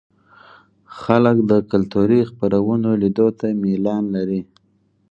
خلک د کلتوري خپرونو لیدو ته میلان لري.